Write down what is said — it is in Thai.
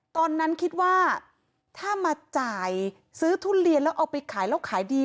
ตอนนั้นคิดว่าถ้ามาจ่ายซื้อทุเรียนแล้วเอาไปขายแล้วขายดี